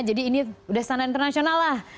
jadi ini sudah standar internasional lah